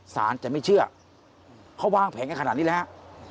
สารจะไม่เชื่อเขาวางแผนกันขนาดนี้แล้ว